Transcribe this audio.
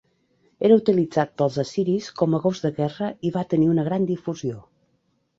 Era utilitzat pels assiris com a gos de guerra i va tenir una gran difusió.